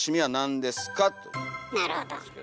なるほど。